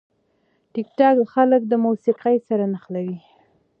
ټیکټاک خلک د موسیقي سره نښلوي.